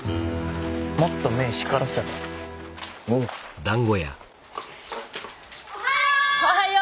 もっと目ぇ光らせろおうおはよう！